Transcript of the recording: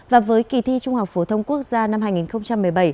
và với kỳ thi trung học phổ thông quốc gia năm hai nghìn một mươi bảy